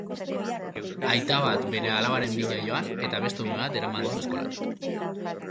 Aita bat bere alabaren bila joan eta beste ume bat eraman du eskolatik.